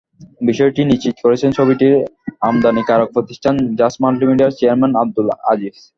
বিষয়টি নিশ্চিত করেছেন ছবিটির আমদানিকারক প্রতিষ্ঠান জাজ মাল্টিমিডিয়ার চেয়ারম্যান আবুদল আজিজ।